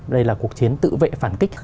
đây là cuộc chiến tự vệ phản kích